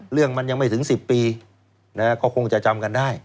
เรื่องมันยังไม่ถึง๑๐ปีก็คงจะจำกันได้